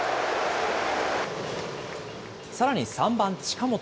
さらに３番近本。